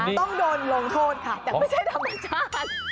ต้องโดนลงโทษค่ะแต่ไม่ใช่ธรรมชาติ